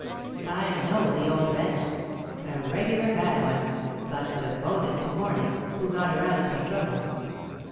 I know the old wretch. A regular bad one; but devoted to Morley, who got her out of some trouble."